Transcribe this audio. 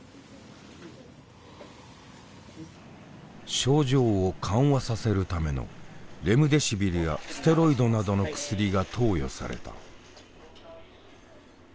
症状を緩和させるためのレムデシビルやステロイドなどの薬が投与された。